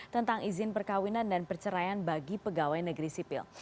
tentang izin perkawinan dan perceraian bagi pegawai negeri sipil